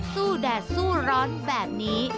แดดสู้ร้อนแบบนี้